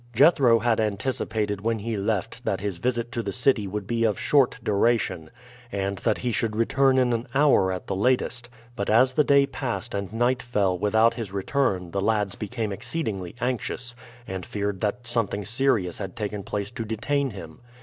Jethro had anticipated when he left that his visit to the city would be of short duration, and that he should return in an hour at the latest; but as the day passed and night fell without his return the lads became exceedingly anxious, and feared that something serious had taken place to detain him.